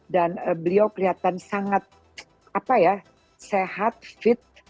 dan beliau kelihatan sangat apa ya sehat fit